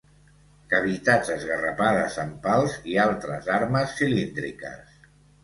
Cavitats esgarrapades amb pals i altres armes cilíndriques.